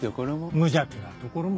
無邪気なところも。